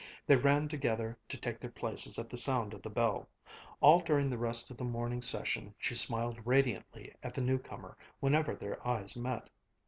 They ran together to take their places at the sound of the bell; all during the rest of the morning session she smiled radiantly at the new comer whenever their eyes met.